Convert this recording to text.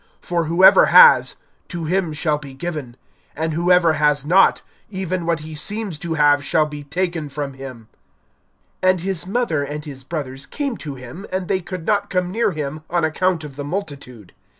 For whoever has, to him shall be given; and whoever has not, even what he seems to have shall be taken from him. (19)And his mother and his brothers came to him; and they could not come near him on account of the multitude.